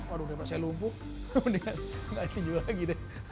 waduh saya lumpuh kemudian tidak tinju lagi